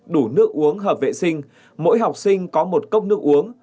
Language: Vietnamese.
đủ nước uống hợp vệ sinh mỗi học sinh có một cốc nước uống